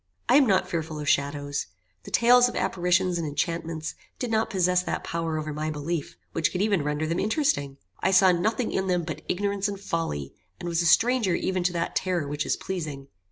I am not fearful of shadows. The tales of apparitions and enchantments did not possess that power over my belief which could even render them interesting. I saw nothing in them but ignorance and folly, and was a stranger even to that terror which is pleasing.